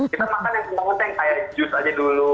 kita makan yang semangut yang kayak jus aja dulu